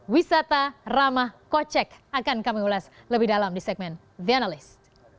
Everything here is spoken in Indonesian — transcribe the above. wisata ramah kocek akan kami ulas lebih dalam di segmen the analyst